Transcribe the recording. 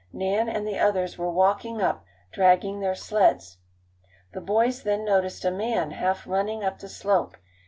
Nan and the others were walking up, dragging their sleds. The boys then noticed a man half running up the slope.